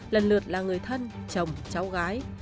lần lượt là người thân chồng cháu gái